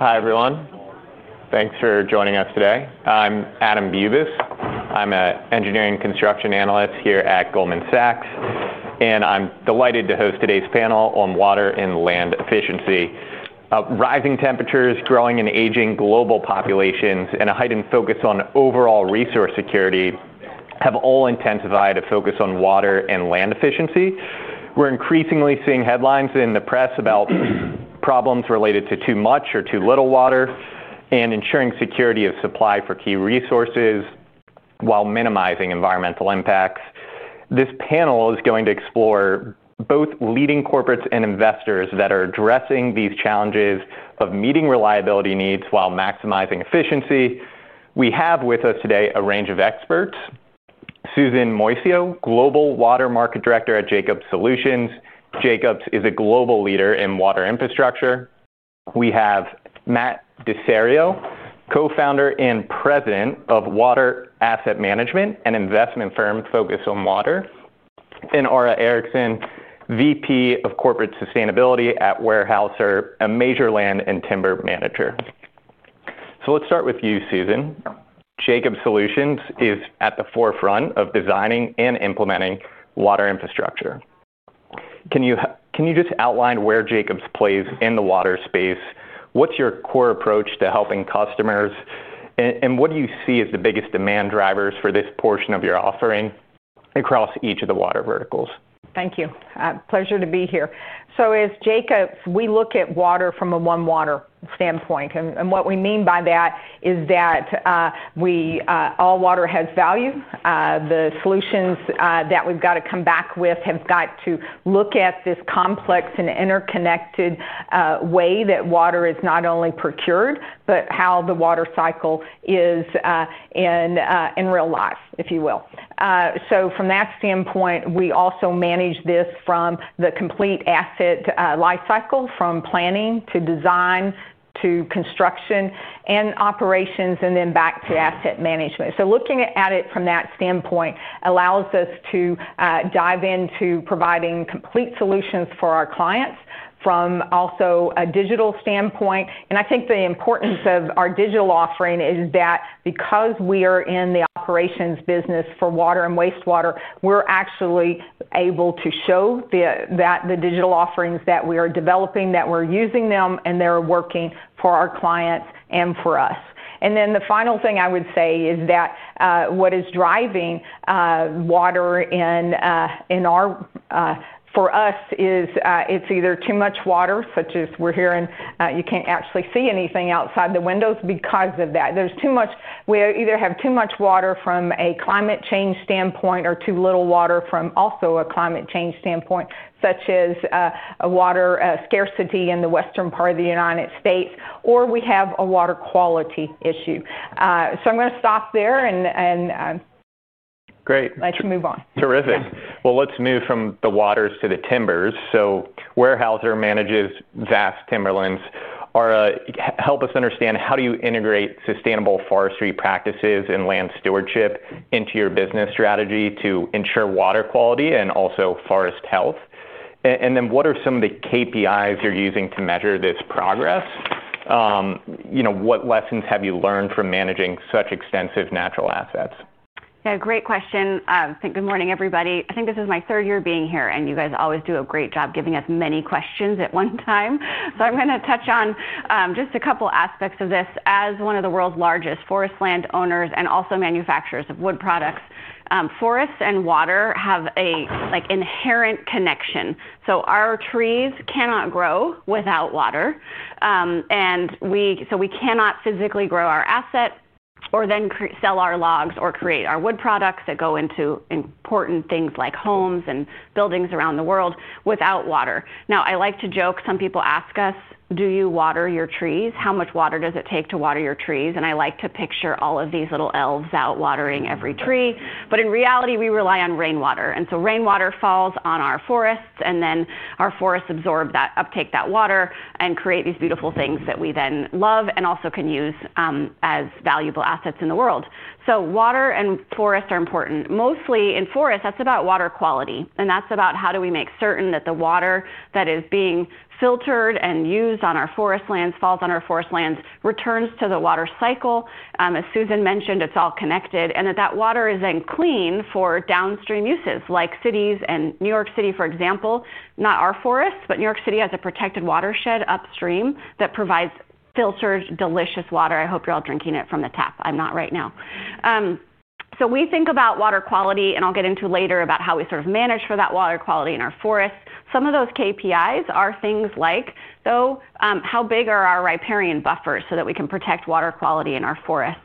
Hi, everyone. Thanks for joining us today. I'm Adam Bubis. I'm an engineering construction analyst here at Goldman Sachs, and I'm delighted to host today's panel on water and land efficiency. Rising temperatures, growing and aging global populations, and a heightened focus on overall resource security have all intensified a focus on water and land efficiency. We're increasingly seeing headlines in the press about problems related to too much or too little water and ensuring security of supply for key resources while minimizing environmental impacts. This panel is going to explore both leading corporates and investors that are addressing these challenges of meeting reliability needs while maximizing efficiency. We have with us today a range of experts. Susan Moisio, Global Water Market Director at Jacobs Solutions Inc. Jacobs is a global leader in water infrastructure. We have Matt DiSerio, Co-Founder and President of Water Asset Management, an investment firm focused on water, and Ara Erickson, Vice President of Corporate Sustainability at Weyerhaeuser, a major land and timber manager. Let's start with you, Susan. Jacobs Solutions Inc. is at the forefront of designing and implementing water infrastructure. Can you just outline where Jacobs plays in the water space? What's your core approach to helping customers? What do you see as the biggest demand drivers for this portion of your offering across each of the water verticals? Thank you. Pleasure to be here. At Jacobs, we look at water from a one-water standpoint. What we mean by that is that all water has value. The solutions that we've got to come back with have got to look at this complex and interconnected way that water is not only procured, but how the water cycle is in real life, if you will. From that standpoint, we also manage this from the complete asset lifecycle, from planning to design to construction and operations, and then back to asset management. Looking at it from that standpoint allows us to dive into providing complete solutions for our clients from also a digital standpoint. I think the importance of our digital offering is that because we are in the operations business for water and wastewater, we're actually able to show that the digital offerings that we are developing, that we're using them, and they're working for our clients and for us. The final thing I would say is that what is driving water for us is it's either too much water, such as we're hearing, you can't actually see anything outside the windows because of that. There's too much. We either have too much water from a climate change standpoint or too little water from also a climate change standpoint, such as a water scarcity in the western part of the U.S., or we have a water quality issue. I'm going to stop there and let you move on. Terrific. Let's move from the waters to the timbers. Weyerhaeuser manages vast timberlands. Ara, help us understand how do you integrate sustainable forestry practices and land stewardship into your business strategy to ensure water quality and also forest health? What are some of the KPIs you're using to measure this progress? What lessons have you learned from managing such extensive natural assets? Yeah, great question. Good morning, everybody. I think this is my third year being here, and you guys always do a great job giving us many questions at one time. I'm going to touch on just a couple of aspects of this. As one of the world's largest forest landowners and also manufacturers of wood products, forests and water have an inherent connection. Our trees cannot grow without water, and we cannot physically grow our asset or then sell our logs or create our wood products that go into important things like homes and buildings around the world without water. I like to joke, some people ask us, do you water your trees? How much water does it take to water your trees? I like to picture all of these little elves out watering every tree, but in reality, we rely on rainwater. Rainwater falls on our forests, and then our forests absorb that uptake of that water and create these beautiful things that we then love and also can use as valuable assets in the world. Water and forests are important. Mostly in forests, that's about water quality, and that's about how do we make certain that the water that is being filtered and used on our forest lands, falls on our forest lands, returns to the water cycle. As Susan mentioned, it's all connected, and that water is then clean for downstream uses like cities and New York City, for example. Not our forests, but New York City has a protected watershed upstream that provides filtered, delicious water. I hope you're all drinking it from the tap. I'm not right now. We think about water quality, and I'll get into later about how we sort of manage for that water quality in our forests. Some of those KPIs are things like, though, how big are our riparian buffers so that we can protect water quality in our forests?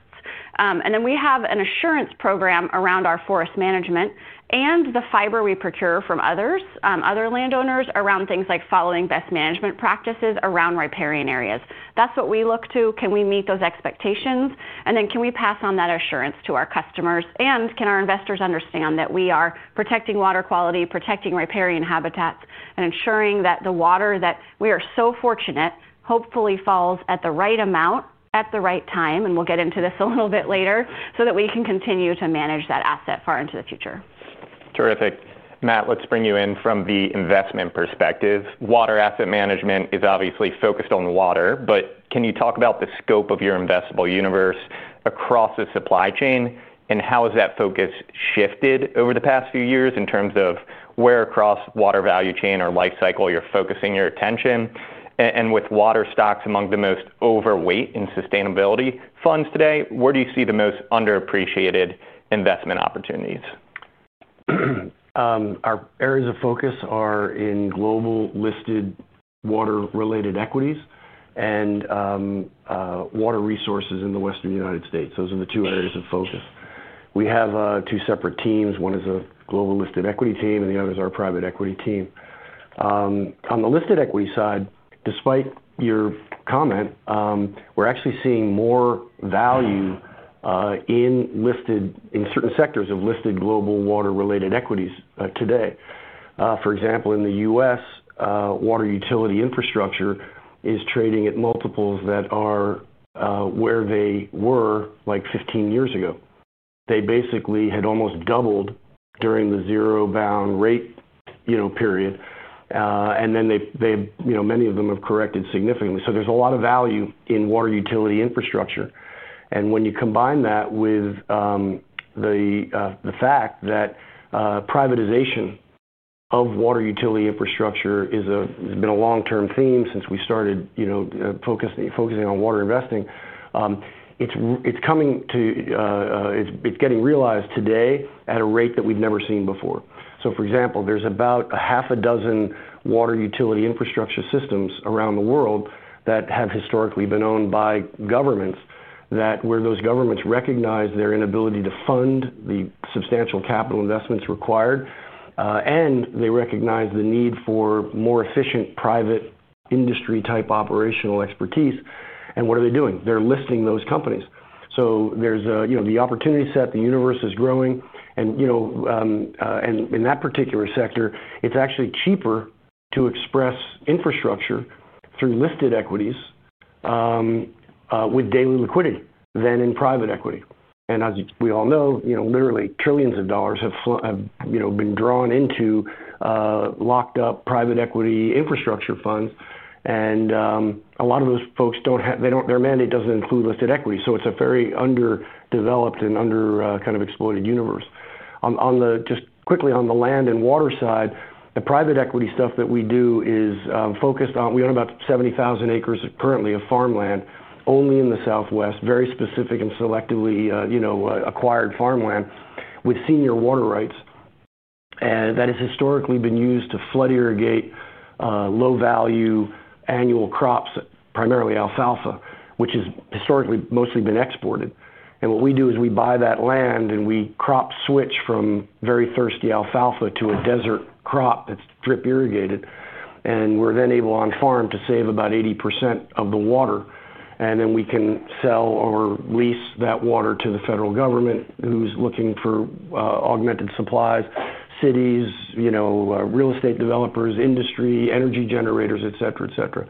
We have an assurance program around our forest management and the fiber we procure from others, other landowners around things like following best management practices around riparian areas. That's what we look to. Can we meet those expectations? Can we pass on that assurance to our customers? Can our investors understand that we are protecting water quality, protecting riparian habitats, and ensuring that the water that we are so fortunate hopefully falls at the right amount at the right time? We'll get into this a little bit later, so that we can continue to manage that asset far into the future. Terrific. Matt, let's bring you in from the investment perspective. Water Asset Management is obviously focused on the water, but can you talk about the scope of your investable universe across the supply chain? How has that focus shifted over the past few years in terms of where across water value chain or lifecycle you're focusing your attention? With water stocks among the most overweight in sustainability funds today, where do you see the most underappreciated investment opportunities? Our areas of focus are in global listed water-related equities and water resources in the Western United States. Those are the two areas of focus. We have two separate teams. One is a global listed equity team, and the other is our private equity team. On the listed equity side, despite your comment, we're actually seeing more value in listed in certain sectors of listed global water-related equities today. For example, in the U.S., water utility infrastructure is trading at multiples that are where they were like 15 years ago. They basically had almost doubled during the zero-bound rate period. Many of them have corrected significantly. There is a lot of value in water utility infrastructure. When you combine that with the fact that privatization of water utility infrastructure has been a long-term theme since we started focusing on water investing, it's getting realized today at a rate that we've never seen before. For example, there's about a half a dozen water utility infrastructure systems around the world that have historically been owned by governments where those governments recognize their inability to fund the substantial capital investments required, and they recognize the need for more efficient private industry-type operational expertise. What are they doing? They're listing those companies. The opportunity set, the universe is growing. In that particular sector, it's actually cheaper to express infrastructure through listed equities with daily liquidity than in private equity. As we all know, literally trillions of dollars have been drawn into locked-up private equity infrastructure funds. A lot of those folks don't have, their mandate doesn't include listed equities. It's a very underdeveloped and under kind of exploited universe. Just quickly on the land and water side, the private equity stuff that we do is focused on, we own about 70,000 acres currently of farmland only in the Southwest, very specific and selectively acquired farmland with senior water rights that has historically been used to flood irrigate low-value annual crops, primarily alfalfa, which has historically mostly been exported. What we do is we buy that land and we crop switch from very thirsty alfalfa to a desert crop that's drip irrigated. We're then able on farm to save about 80% of the water. We can sell or lease that water to the federal government who's looking for augmented supplies, cities, real estate developers, industry, energy generators, et cetera.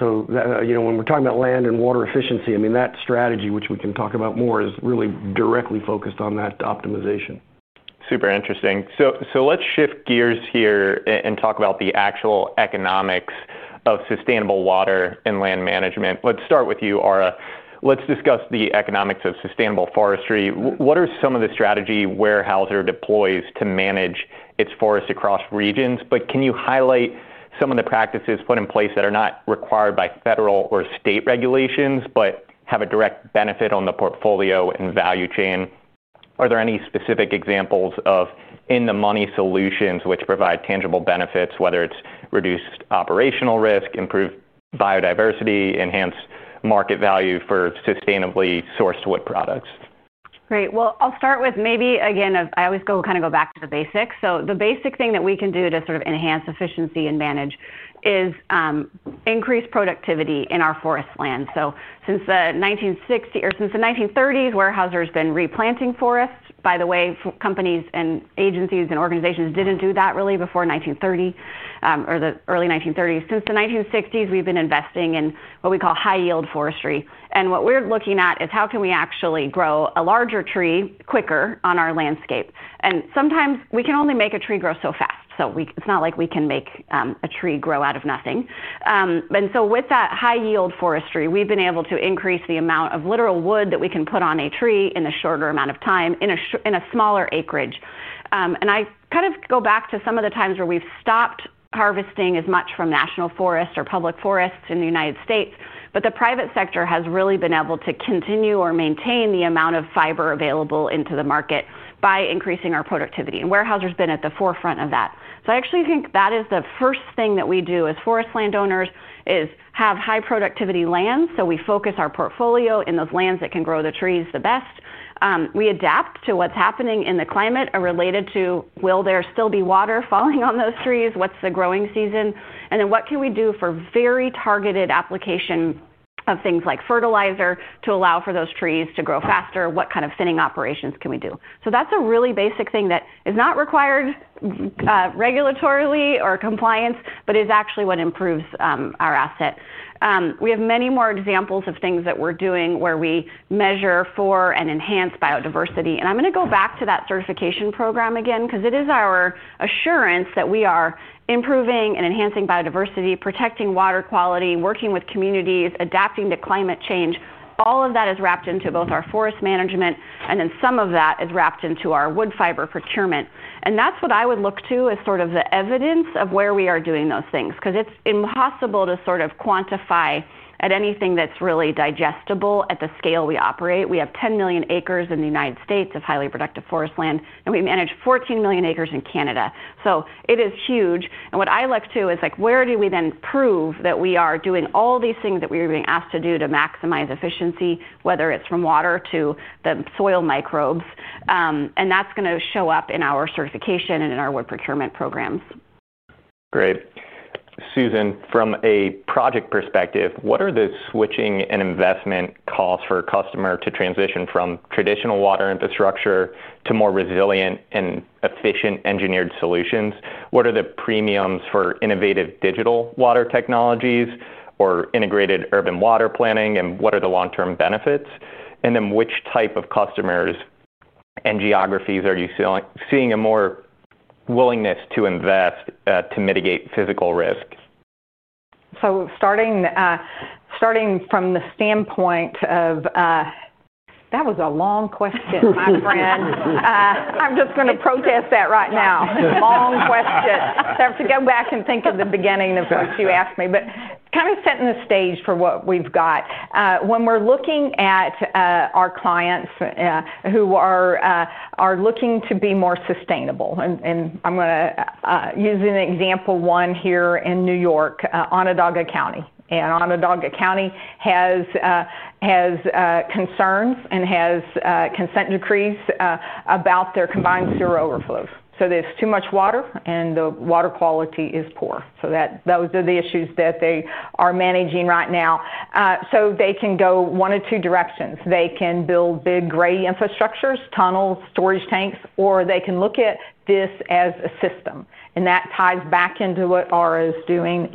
When we're talking about land and water efficiency, that strategy, which we can talk about more, is really directly focused on that optimization. Super interesting. Let's shift gears here and talk about the actual economics of sustainable water and land management. Let's start with you, Ara. Let's discuss the economics of sustainable forestry. What are some of the strategies Weyerhaeuser deploys to manage its forests across regions? Can you highlight some of the practices put in place that are not required by federal or state regulations, but have a direct benefit on the portfolio and value chain? Are there any specific examples of in-the-money solutions which provide tangible benefits, whether it's reduced operational risk, improved biodiversity, or enhanced market value for sustainably sourced wood products? Great. I'll start with maybe, again, I always kind of go back to the basics. The basic thing that we can do to sort of enhance efficiency and manage is increase productivity in our forest lands. Since the 1960s or since the 1930s, Weyerhaeuser has been replanting forests. By the way, companies and agencies and organizations didn't do that really before 1930 or the early 1930s. Since the 1960s, we've been investing in what we call high-yield forestry. What we're looking at is how can we actually grow a larger tree quicker on our landscape. Sometimes we can only make a tree grow so fast. It's not like we can make a tree grow out of nothing. With that high-yield forestry, we've been able to increase the amount of literal wood that we can put on a tree in a shorter amount of time in a smaller acreage. I kind of go back to some of the times where we've stopped harvesting as much from national forests or public forests in the U.S. The private sector has really been able to continue or maintain the amount of fiber available into the market by increasing our productivity. Weyerhaeuser has been at the forefront of that. I actually think that is the first thing that we do as forest landowners is have high productivity lands. We focus our portfolio in those lands that can grow the trees the best. We adapt to what's happening in the climate related to will there still be water falling on those trees, what's the growing season, and then what can we do for very targeted application of things like fertilizer to allow for those trees to grow faster. What kind of thinning operations can we do? That's a really basic thing that is not required regulatorily or compliance, but is actually what improves our asset. We have many more examples of things that we're doing where we measure for and enhance biodiversity. I'm going to go back to that certification program again, because it is our assurance that we are improving and enhancing biodiversity, protecting water quality, working with communities, adapting to climate change. All of that is wrapped into both our forest management, and then some of that is wrapped into our wood fiber procurement. That's what I would look to as sort of the evidence of where we are doing those things, because it's impossible to sort of quantify at anything that's really digestible at the scale we operate. We have 10 million acres in the U.S. of highly productive forest land, and we manage 14 million acres in Canada. It is huge. What I look to is, where do we then prove that we are doing all these things that we're being asked to do to maximize efficiency, whether it's from water to the soil microbes? That's going to show up in our certification and in our wood procurement programs. Great. Susan, from a project perspective, what are the switching and investment costs for a customer to transition from traditional water infrastructure to more resilient and efficient engineered solutions? What are the premiums for innovative digital water technologies or integrated urban water planning? What are the long-term benefits? Which type of customers and geographies are you seeing a more willingness to invest to mitigate physical risk? Starting from the standpoint of that was a long question, my friend. I'm just going to protest that right now. Long question. I have to go back and think of the beginning of what you asked me, but kind of setting the stage for what we've got. When we're looking at our clients who are looking to be more sustainable, and I'm going to use an example, one here in New York, Onondaga County. Onondaga County has concerns and has consent decrees about their combined sewer overflows. There's too much water, and the water quality is poor. Those are the issues that they are managing right now. They can go one of two directions. They can build big gray infrastructure, tunnels, storage tanks, or they can look at this as a system. That ties back into what Ara is doing.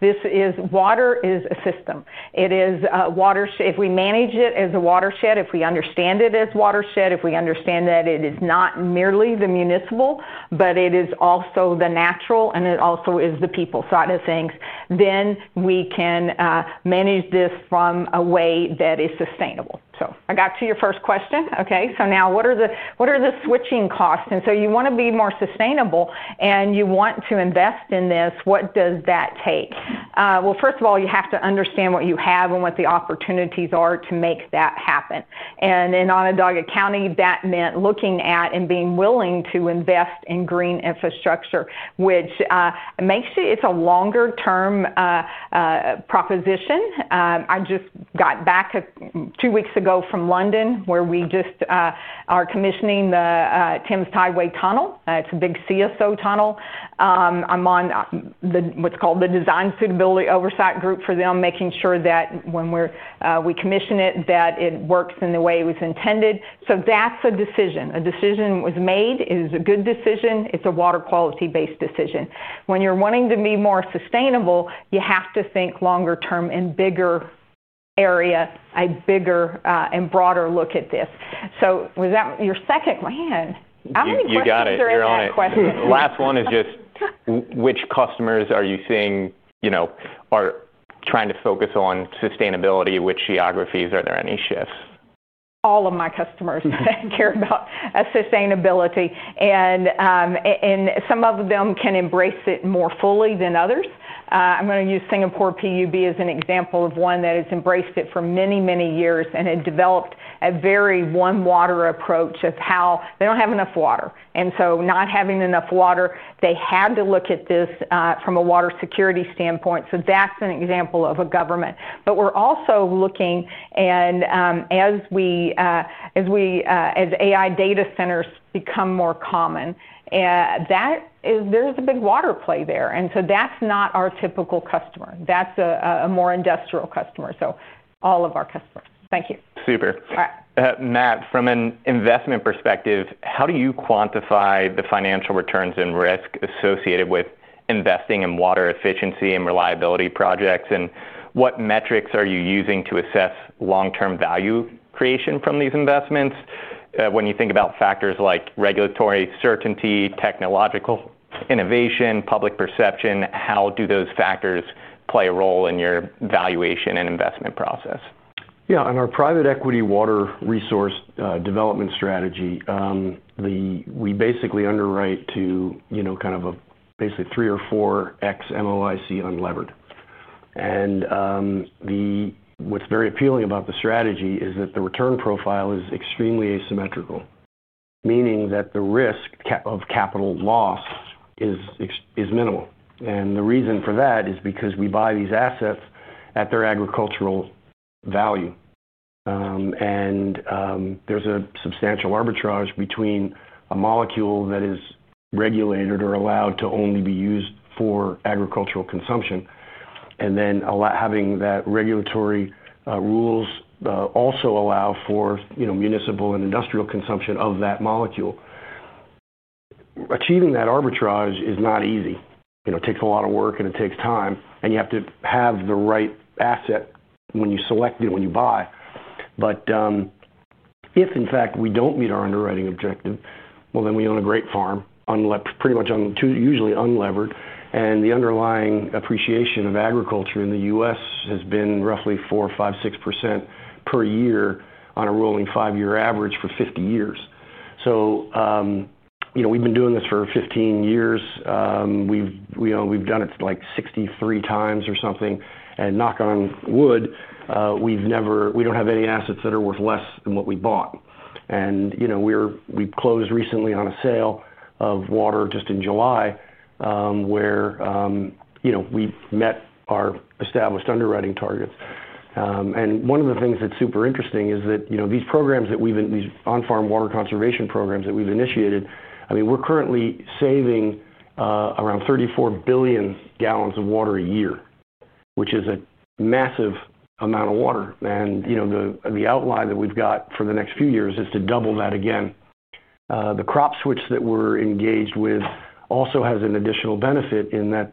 This is water as a system. It is a watershed. If we manage it as a watershed, if we understand it as a watershed, if we understand that it is not merely the municipal, but it is also the natural, and it also is the people side of things, then we can manage this from a way that is sustainable. I got to your first question. Now, what are the switching costs? You want to be more sustainable, and you want to invest in this. What does that take? First of all, you have to understand what you have and what the opportunities are to make that happen. In Onondaga County, that meant looking at and being willing to invest in green infrastructure, which makes it a longer-term proposition. I just got back two weeks ago from London where we just are commissioning the Thames Tideway Tunnel. It's a big CSO tunnel. I'm on what's called the Design Suitability Oversight Group for them, making sure that when we commission it, that it works in the way it was intended. That's a decision. A decision was made. It is a good decision. It's a water quality-based decision. When you're wanting to be more sustainable, you have to think longer-term and bigger area, a bigger and broader look at this. Was that your second one? You got it. You're on it. The last one is just which customers are you seeing are trying to focus on sustainability? Which geographies? Are there any shifts? All of my customers care about sustainability, and some of them can embrace it more fully than others. I'm going to use Singapore PUB as an example of one that has embraced it for many, many years and had developed a very one-water approach of how they don't have enough water. Not having enough water, they had to look at this from a water security standpoint. That's an example of a government. We're also looking, as AI data centers become more common, there's a big water play there. That's not our typical customer; that's a more industrial customer. All of our customers. Thank you. Super. Matt, from an investment perspective, how do you quantify the financial returns and risk associated with investing in water efficiency and reliability projects? What metrics are you using to assess long-term value creation from these investments? When you think about factors like regulatory certainty, technological innovation, public perception, how do those factors play a role in your valuation and investment process? Yeah, on our private equity water resource development strategy, we basically underwrite to kind of basically 3 or 4x MOIC unlevered. What's very appealing about the strategy is that the return profile is extremely asymmetrical, meaning that the risk of capital loss is minimal. The reason for that is because we buy these assets at their agricultural value. There's a substantial arbitrage between a molecule that is regulated or allowed to only be used for agricultural consumption, and then having that regulatory rules also allow for municipal and industrial consumption of that molecule. Achieving that arbitrage is not easy. It takes a lot of work, and it takes time. You have to have the right asset when you select it, when you buy. If, in fact, we don't meet our underwriting objective, then we own a great farm, pretty much usually unlevered. The underlying appreciation of agriculture in the U.S. has been roughly 4%, 5%, 6% per year on a rolling five-year average for 50 years. We've been doing this for 15 years. We've done it like 63 times or something. Knock on wood, we don't have any assets that are worth less than what we bought. We closed recently on a sale of water just in July where we met our established underwriting targets. One of the things that's super interesting is that these programs that we've been, these on-farm water conservation programs that we've initiated, we're currently saving around 34 billion gallons of water a year, which is a massive amount of water. The outline that we've got for the next few years is to double that again. The crop switch that we're engaged with also has an additional benefit in that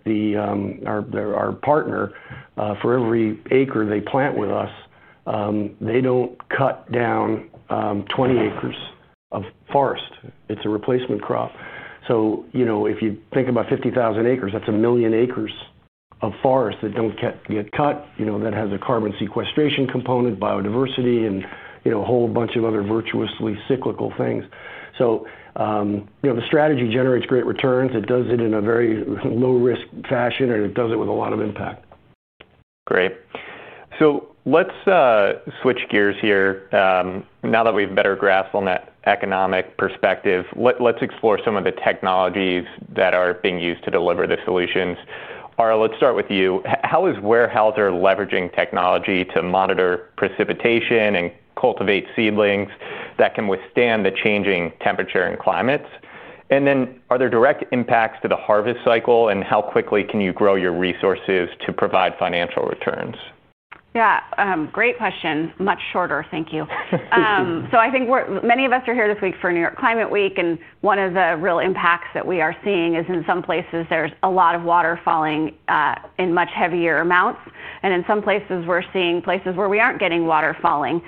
our partner, for every acre they plant with us, they don't cut down 20 acres of forest. It's a replacement crop. If you think about 50,000 acres, that's a million acres of forest that don't get cut. That has a carbon sequestration component, biodiversity, and a whole bunch of other virtuously cyclical things. The strategy generates great returns. It does it in a very low-risk fashion, and it does it with a lot of impact. Great. Let's switch gears here. Now that we have a better grasp on that economic perspective, let's explore some of the technologies that are being used to deliver the solutions. Ara, let's start with you. How is Weyerhaeuser leveraging technology to monitor precipitation and cultivate seedlings that can withstand the changing temperature and climates? Are there direct impacts to the harvest cycle, and how quickly can you grow your resources to provide financial returns? Yeah, great question. Much shorter, thank you. I think many of us are here this week for New York Climate Week. One of the real impacts that we are seeing is in some places, there's a lot of water falling in much heavier amounts. In some places, we're seeing places where we aren't getting water falling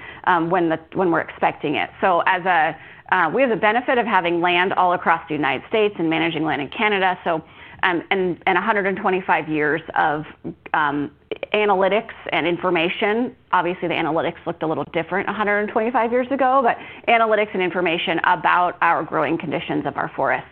when we're expecting it. We have the benefit of having land all across the United States and managing land in Canada. In 125 years of analytics and information, obviously, the analytics looked a little different 125 years ago, but analytics and information about our growing conditions of our forest.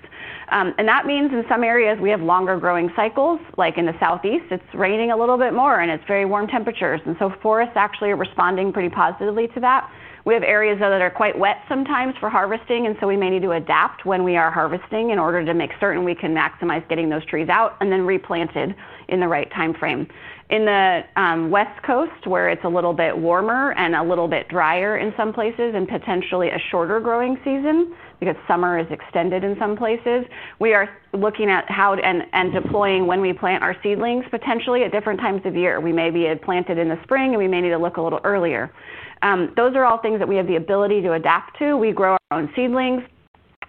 That means in some areas, we have longer growing cycles. Like in the Southeast, it's raining a little bit more, and it's very warm temperatures, and so forests actually are responding pretty positively to that. We have areas that are quite wet sometimes for harvesting, and we may need to adapt when we are harvesting in order to make certain we can maximize getting those trees out and then replanted in the right time frame. In the West Coast, where it's a little bit warmer and a little bit drier in some places, and potentially a shorter growing season because summer is extended in some places, we are looking at how and deploying when we plant our seedlings potentially at different times of year. We may be planted in the spring, and we may need to look a little earlier. Those are all things that we have the ability to adapt to. We grow our own seedlings,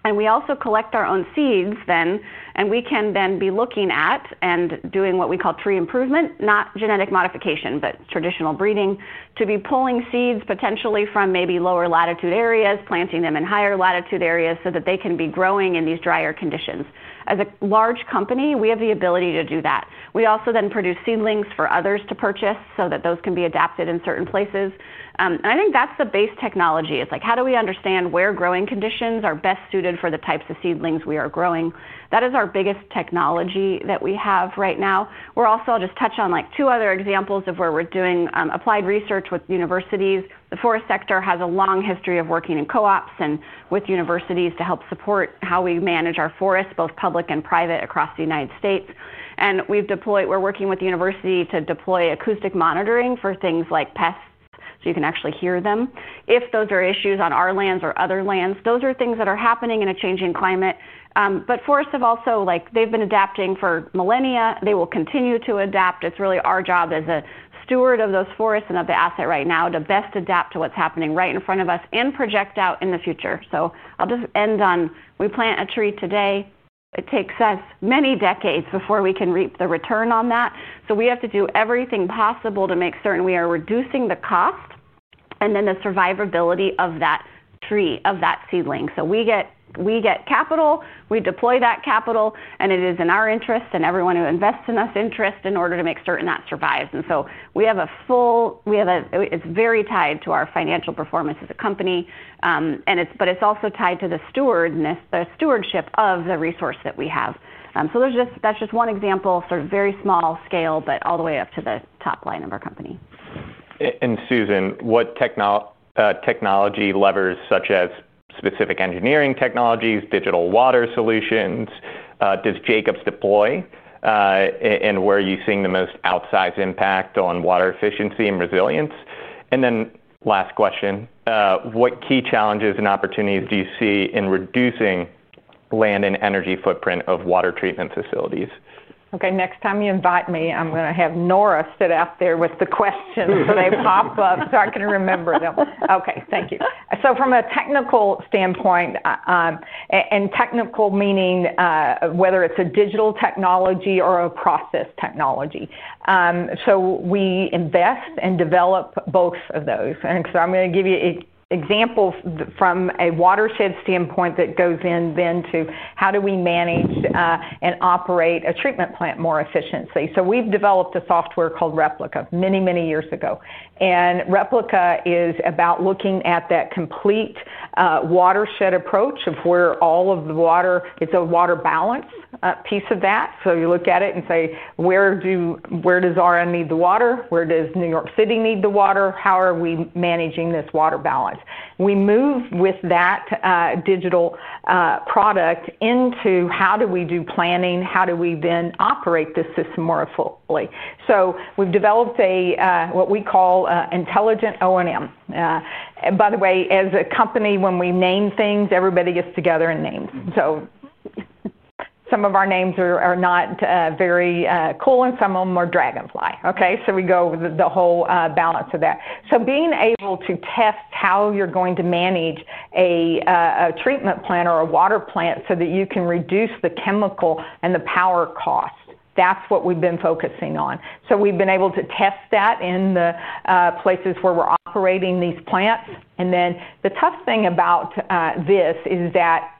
and we also collect our own seeds then. We can then be looking at and doing what we call tree improvement, not genetic modification, but traditional breeding, to be pulling seeds potentially from maybe lower latitude areas, planting them in higher latitude areas so that they can be growing in these drier conditions. As a large company, we have the ability to do that. We also then produce seedlings for others to purchase so that those can be adapted in certain places. I think that's the base technology. It's like, how do we understand where growing conditions are best suited for the types of seedlings we are growing? That is our biggest technology that we have right now. I'll just touch on two other examples of where we're doing applied research with universities. The forest sector has a long history of working in co-ops and with universities to help support how we manage our forests, both public and private, across the United States. We are working with the university to deploy acoustic monitoring for things like pests so you can actually hear them. If those are issues on our lands or other lands, those are things that are happening in a changing climate. Forests have also been adapting for millennia. They will continue to adapt. It is really our job as a steward of those forests and of the asset right now to best adapt to what is happening right in front of us and project out in the future. I will just end on, we plant a tree today. It takes us many decades before we can reap the return on that. We have to do everything possible to make certain we are reducing the cost and then the survivability of that tree, of that seedling. We get capital, we deploy that capital, and it is in our interest and everyone who invests in us' interest to make certain that survives. We have a full, it is very tied to our financial performance as a company. It is also tied to the stewardship of the resource that we have. That is just one example of sort of very small scale, but all the way up to the top line of our company. Susan, what technology levers, such as specific engineering technologies and digital water solutions, does Jacobs deploy? Where are you seeing the most outsized impact on water efficiency and resilience? What key challenges and opportunities do you see in reducing land and energy footprint of water treatment facilities? OK, next time you invite me, I'm going to have Nora sit out there with the questions when they pop up so I can remember them. OK, thank you. From a technical standpoint, and technical meaning whether it's a digital technology or a process technology, we invest and develop both of those. I'm going to give you examples from a watershed standpoint that goes into how we manage and operate a treatment plant more efficiently. We've developed a software called Replica many, many years ago. Replica is about looking at that complete watershed approach of where all of the water, it's a water balance piece of that. You look at it and say, where does Ara need the water? Where does New York City need the water? How are we managing this water balance? We move with that digital product into how do we do planning? How do we then operate this system more fully? We've developed what we call Intelligent O&M. By the way, as a company, when we name things, everybody gets together and names. Some of our names are not very cool, and some of them are dragonfly. We go with the whole balance of that. Being able to test how you're going to manage a treatment plant or a water plant so that you can reduce the chemical and the power cost, that's what we've been focusing on. We've been able to test that in the places where we're operating these plants. The tough thing about this is that,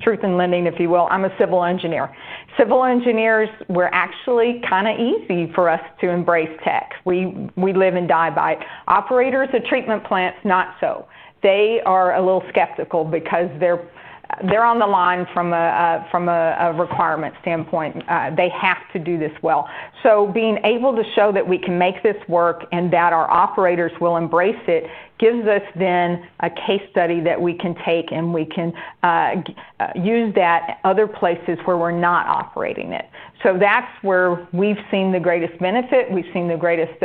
truth and lending, if you will, I'm a civil engineer. Civil engineers, it's actually kind of easy for us to embrace tech. We live and die by it. Operators of treatment plants, not so. They are a little skeptical because they're on the line from a requirement standpoint. They have to do this well. Being able to show that we can make this work and that our operators will embrace it gives us a case study that we can take, and we can use that in other places where we're not operating it. That's where we've seen the greatest benefit. We've seen the greatest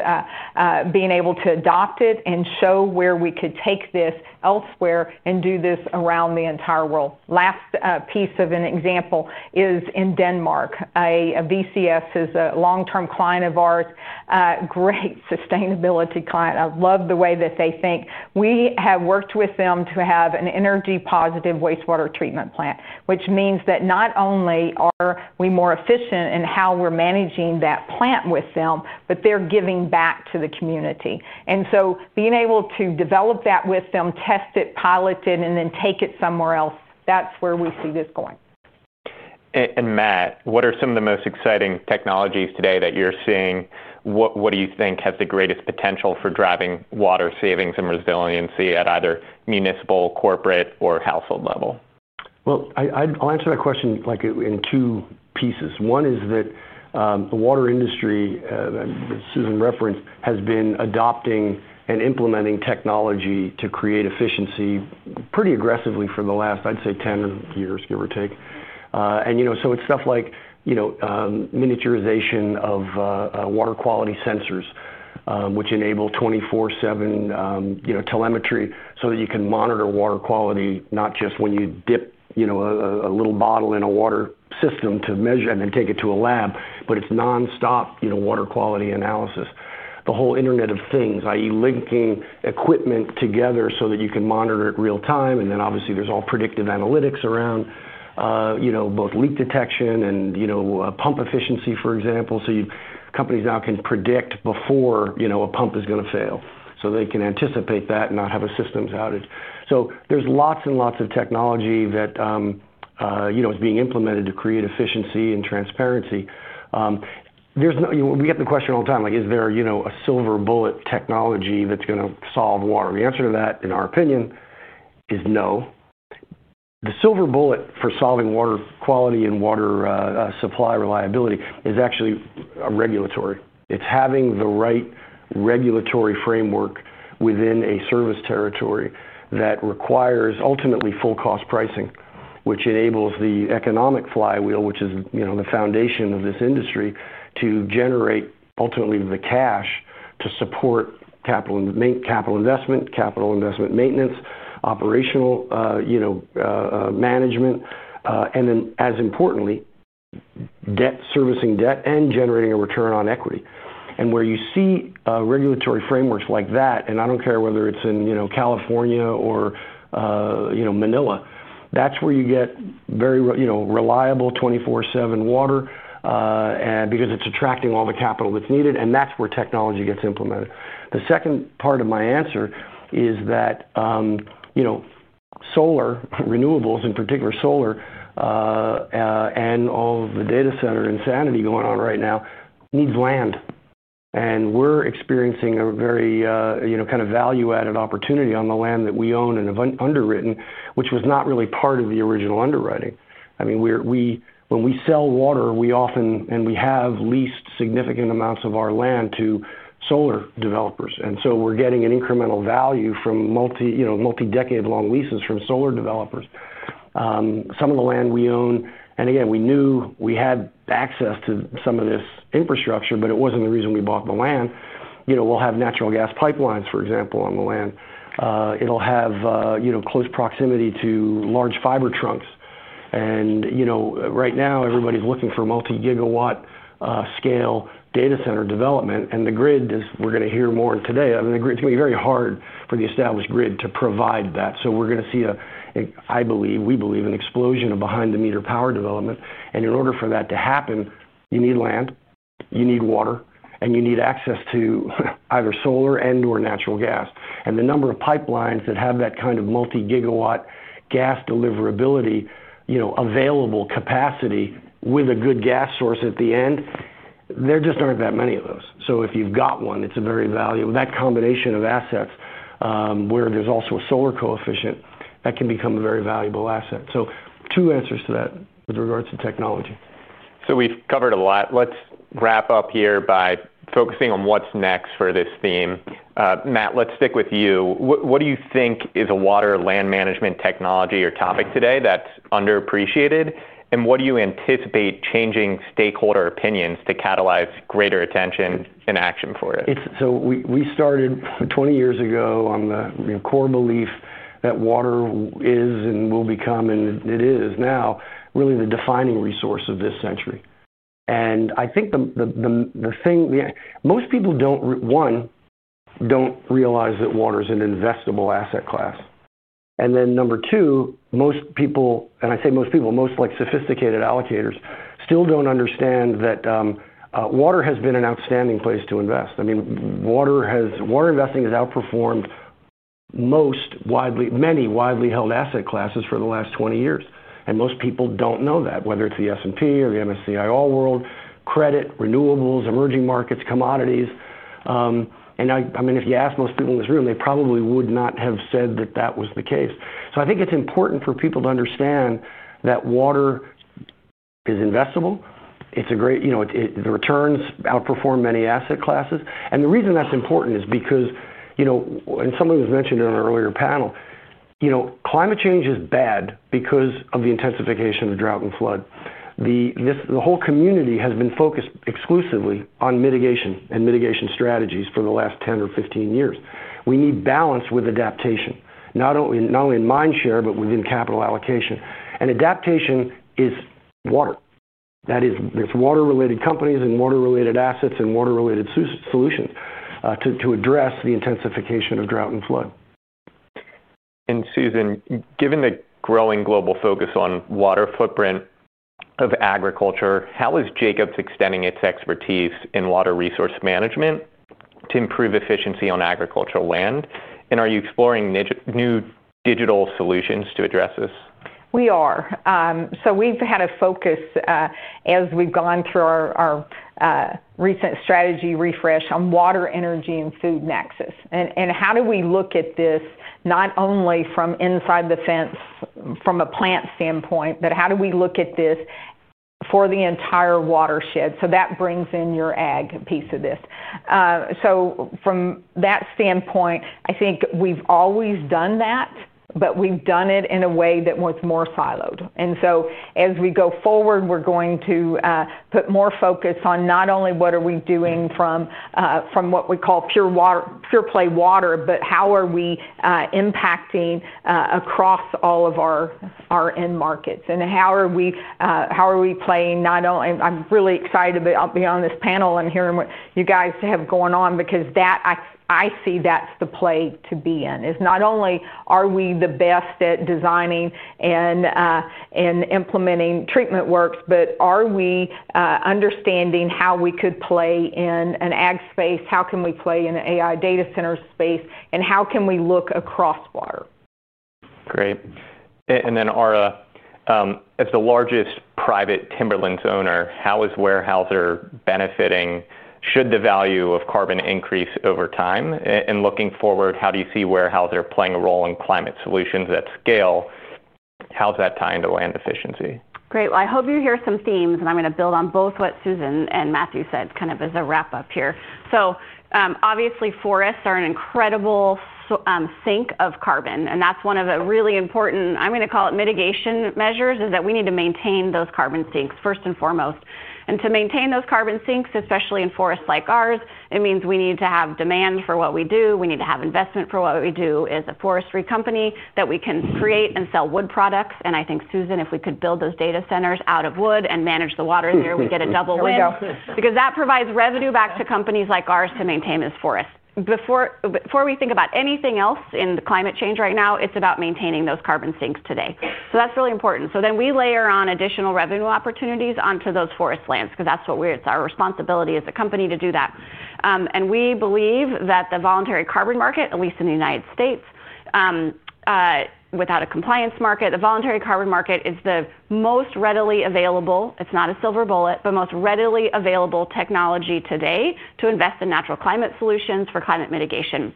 being able to adopt it and show where we could take this elsewhere and do this around the entire world. Last piece of an example is in Denmark. VCS Denmark is a long-term client of ours, a great sustainability client. I love the way that they think. We have worked with them to have an energy-positive wastewater treatment plant, which means that not only are we more efficient in how we're managing that plant with them, but they're giving back to the community. Being able to develop that with them, test it, pilot it, and then take it somewhere else, that's where we see this going. Matt, what are some of the most exciting technologies today that you're seeing? What do you think has the greatest potential for driving water savings and resiliency at either municipal, corporate, or household level? I will answer that question in two pieces. One is that the water industry, as Susan Moisio referenced, has been adopting and implementing technology to create efficiency pretty aggressively for the last, I'd say, 10 years, give or take. It's stuff like miniaturization of water quality sensors, which enable 24/7 telemetry so that you can monitor water quality, not just when you dip a little bottle in a water system to measure and then take it to a lab, but it's nonstop water quality analysis. The whole Internet of Things, i.e., linking equipment together so that you can monitor it in real time. Obviously, there's all predictive analytics around both leak detection and pump efficiency, for example. Companies now can predict before a pump is going to fail. They can anticipate that and not have a systems outage. There is lots and lots of technology that is being implemented to create efficiency and transparency. We get the question all the time, is there a silver bullet technology that's going to solve water? The answer to that, in our opinion, is no. The silver bullet for solving water quality and water supply reliability is actually regulatory. It's having the right regulatory framework within a service territory that requires ultimately full-cost pricing, which enables the economic flywheel, which is the foundation of this industry, to generate ultimately the cash to support capital investment, capital investment maintenance, operational management, and then, as importantly, servicing debt and generating a return on equity. Where you see regulatory frameworks like that, and I don't care whether it's in California or Manila, that's where you get very reliable 24/7 water because it's attracting all the capital that's needed. That's where technology gets implemented. The second part of my answer is that solar renewables, in particular solar, and all of the data center insanity going on right now needs land. We are experiencing a very kind of value-added opportunity on the land that we own and have underwritten, which was not really part of the original underwriting. When we sell water, we often, and we have leased significant amounts of our land to solar developers. We are getting an incremental value from multi-decade-long leases from solar developers. Some of the land we own, and again, we knew we had access to some of this infrastructure, but it wasn't the reason we bought the land. You know, we'll have natural gas pipelines, for example, on the land. It'll have close proximity to large fiber trunks. Right now, everybody's looking for a multi-gigawatt scale data center development. The grid, as we're going to hear more today, is going to be very hard for the established grid to provide that. We're going to see, I believe, we believe, an explosion of behind-the-meter power development. In order for that to happen, you need land, you need water, and you need access to either solar and/or natural gas. The number of pipelines that have that kind of multi-gigawatt gas deliverability, available capacity with a good gas source at the end, there just aren't that many of those. If you've got one, it's a very valuable, that combination of assets where there's also a solar coefficient, that can become a very valuable asset. Two answers to that with regards to technology. We've covered a lot. Let's wrap up here by focusing on what's next for this theme. Matt, let's stick with you. What do you think is a water land management technology or topic today that's underappreciated? What do you anticipate changing stakeholder opinions to catalyze greater attention and action for it? We started 20 years ago on the core belief that water is and will become, and it is now really the defining resource of this century. I think the thing most people don't realize is that water is an investable asset class. Number two, most people, and I say most people, most sophisticated allocators still don't understand that water has been an outstanding place to invest. Water investing has outperformed many widely held asset classes for the last 20 years. Most people don't know that, whether it's the S&P or the MSCI All-World, credit, renewables, emerging markets, commodities. If you asked most people in this room, they probably would not have said that that was the case. I think it's important for people to understand that water is investable. The returns outperform many asset classes. The reason that's important is because, as someone mentioned in an earlier panel, climate change is bad because of the intensification of the drought and flood. The whole community has been focused exclusively on mitigation and mitigation strategies for the last 10 or 15 years. We need balance with adaptation, not only in mind share, but within capital allocation. Adaptation is water. There are water-related companies and water-related assets and water-related solutions to address the intensification of drought and flood. Susan, given the growing global focus on water footprint of agriculture, how is Jacobs extending its expertise in water resource management to improve efficiency on agricultural land? Are you exploring new digital solutions to address this? We are. We've had a focus as we've gone through our recent strategy refresh on water, energy, and food nexus. How do we look at this not only from inside the fence, from a plant standpoint, but how do we look at this for the entire watershed? That brings in your ag piece of this. From that standpoint, I think we've always done that, but we've done it in a way that was more siloed. As we go forward, we're going to put more focus on not only what are we doing from what we call pure play water, but how are we impacting across all of our end markets? How are we playing? I'm really excited to be on this panel and hearing what you guys have going on because I see that's the play to be in. It's not only are we the best at designing and implementing treatment works, but are we understanding how we could play in an ag space? How can we play in an AI data center space? How can we look across water? Great. Ara, as the largest private timberlands owner, how is Weyerhaeuser benefiting? Should the value of carbon increase over time? Looking forward, how do you see Weyerhaeuser playing a role in climate solutions at scale? How's that tying to land efficiency? Great. I hope you hear some themes, and I'm going to build on both what Susan and Matthew said as a wrap-up here. Obviously, forests are an incredible sink of carbon, and that's one of the really important, I'm going to call it mitigation measures, is that we need to maintain those carbon sinks first and foremost. To maintain those carbon sinks, especially in forests like ours, it means we need to have demand for what we do. We need to have investment for what we do as a forestry company that we can create and sell wood products. I think, Susan, if we could build those data centers out of wood and manage the water there, we get a double win because that provides revenue back to companies like ours to maintain those forests. Before we think about anything else in climate change right now, it's about maintaining those carbon sinks today. That's really important. We layer on additional revenue opportunities onto those forest lands because that's what we're, it's our responsibility as a company to do that. We believe that the voluntary carbon market, at least in the U.S., without a compliance market, the voluntary carbon market is the most readily available, it's not a silver bullet, but most readily available technology today to invest in natural climate solutions for climate mitigation.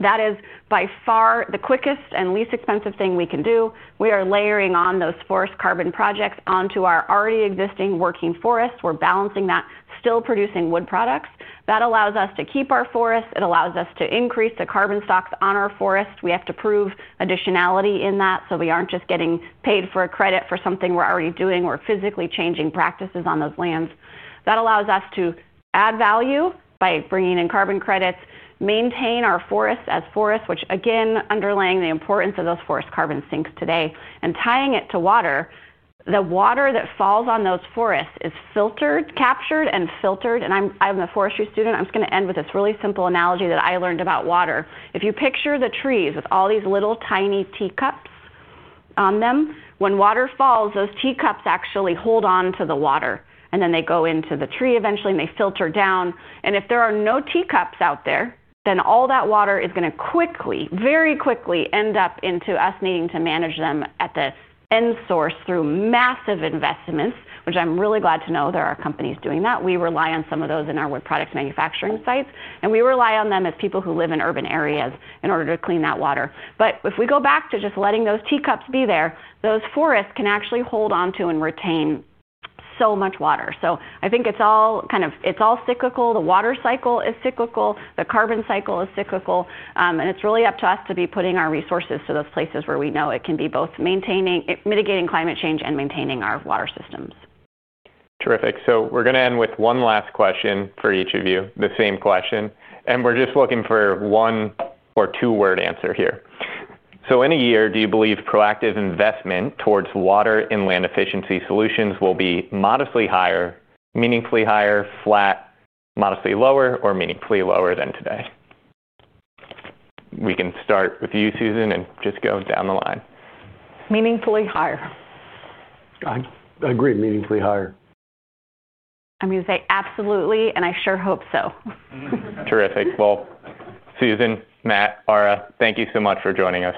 That is by far the quickest and least expensive thing we can do. We are layering on those forest carbon projects onto our already existing working forests. We're balancing that, still producing wood products. That allows us to keep our forests. It allows us to increase the carbon stocks on our forests. We have to prove additionality in that so we aren't just getting paid for a credit for something we're already doing. We're physically changing practices on those lands. That allows us to add value by bringing in carbon credits, maintain our forests as forests, which again, underlying the importance of those forest carbon sinks today, and tying it to water. The water that falls on those forests is filtered, captured, and filtered. I'm a forestry student. I'm just going to end with this really simple analogy that I learned about water. If you picture the trees with all these little tiny teacups on them, when water falls, those teacups actually hold on to the water. Then they go into the tree eventually, and they filter down. If there are no teacups out there, then all that water is going to quickly, very quickly, end up into us needing to manage them at the end source through massive investments, which I'm really glad to know there are companies doing that. We rely on some of those in our wood product manufacturing sites, and we rely on them as people who live in urban areas in order to clean that water. If we go back to just letting those teacups be there, those forests can actually hold on to and retain so much water. I think it's all kind of, it's all cyclical. The water cycle is cyclical. The carbon cycle is cyclical. It's really up to us to be putting our resources to those places where we know it can be both mitigating climate change and maintaining our water systems. Terrific. We're going to end with one last question for each of you, the same question. We're just looking for one or two-word answer here. In a year, do you believe proactive investment towards water and land efficiency solutions will be modestly higher, meaningfully higher, flat, modestly lower, or meaningfully lower than today? We can start with you, Susan, and just go down the line. Meaningfully higher. I agree, meaningfully higher. I'm going to say absolutely, and I sure hope so. Terrific. Susan, Matt, Ara, thank you so much for joining us.